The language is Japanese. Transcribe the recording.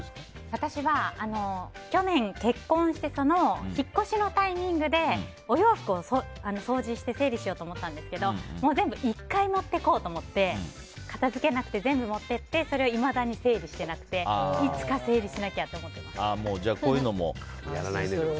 私は去年、結婚して引っ越しのタイミングでお洋服を掃除して整理しようと思ったんですけど全部、１回持っていこうと思って片付けなくて全部持って行ってそれをいまだに整理してなくていつか整理しなきゃと思っています。